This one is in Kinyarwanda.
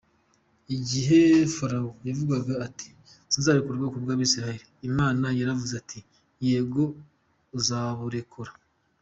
Igihe Farawo yavugaga ati: "sinzarekura ubwoko bw'abisirayeli" Imana yaravuze iti: "Yego uzaburekura".